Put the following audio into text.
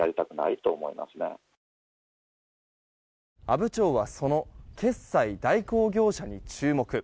阿武町はその決済代行業者に注目。